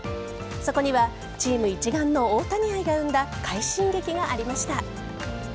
そこにはチーム一丸の大谷愛が生んだ快進撃がありました。